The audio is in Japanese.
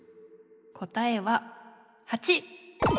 答えは８！